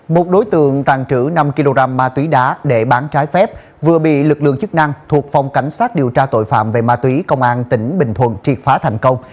một đối tượng tàn trữ năm kg ma túy đá để bán trái phép vừa bị lực lượng chức năng thuộc phòng cảnh sát điều tra tội phạm về ma túy công an tỉnh bình thuận triệt phá thành công